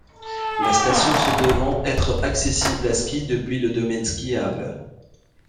La station se devant être accessible à ski depuis le domaine skiable.